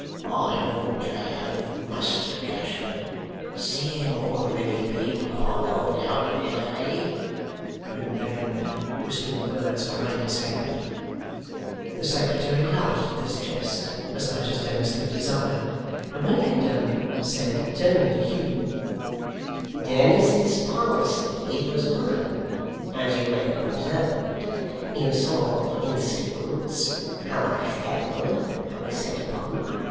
'I ought to have, Muster Gashford, seeing what a many people I've helped out of it, eh?' grinned the hangman, whispering the words behind his hand. The secretary laughed at this jest as much as Dennis could desire, and when he had done, said, turning to Hugh: 'Dennis's policy was mine, as you may have observed. You saw, for instance, how I fell when I was set upon.